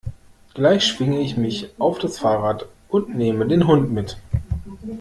Gleich schwinge ich mich auf das Fahrrad und neme den Hund mit.